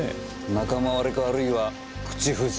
仲間割れかあるいは口封じ。